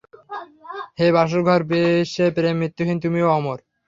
হে বাসরঘর, বিশ্বে প্রেম মৃত্যুহীন, তুমিও অমর।